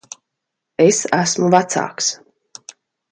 Es esmu vecāks.